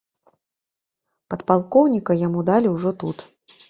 Падпалкоўніка яму далі ўжо тут.